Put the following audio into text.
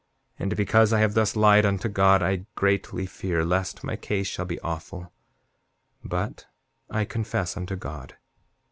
And because I have thus lied unto God I greatly fear lest my case shall be awful; but I confess unto God.